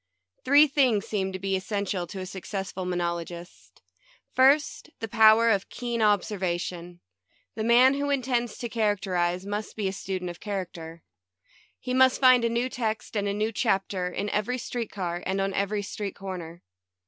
Three things seem to be essential to a suc cessful monologist. First, the power of keen observation. The man who intends to characterize must be a student of character. He must find a new text and a new chapter in every street car, and on every street corner.